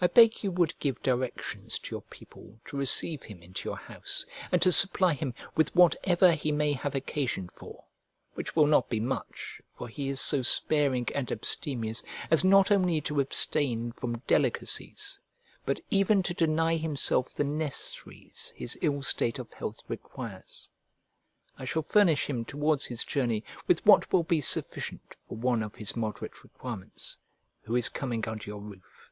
I beg you would give directions to your people to receive him into your house, and to supply him with whatever he may have occasion for: which will not be much, for he is so sparing and abstemious as not only to abstain from delicacies, but even to deny himself the necessaries his ill state of health requires. I shall furnish him towards his journey with what will be sufficient for one of his moderate requirements, who is coming under your roof.